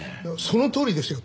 そのとおりですよ。